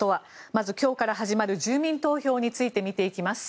まず今日から始まる住民投票ついて見ていきます。